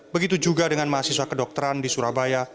begitu juga dengan mahasiswa kedokteran di surabaya